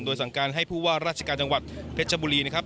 สั่งการให้ผู้ว่าราชการจังหวัดเพชรบุรีนะครับ